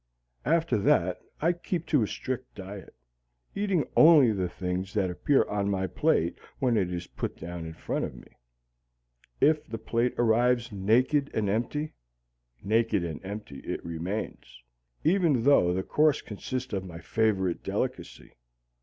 After that I keep to a strict diet, eating only the things that appear on my plate when it is put down in front of me. If the plate arrives naked and empty, naked and empty it remains, even though the course consist of my favorite delicacy.